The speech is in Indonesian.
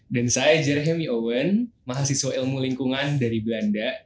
dan saya jerhemi owen mahasiswa ilmu lingkungan dari belanda